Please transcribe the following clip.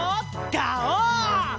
ガオー！